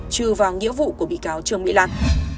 trừ vào nghĩa vụ của bị cáo trương mỹ lan